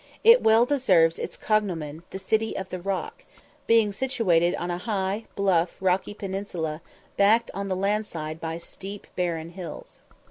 It well deserves its cognomen, "The City of the Rock," being situated on a high, bluff, rocky peninsula, backed on the land side by steep barren hills.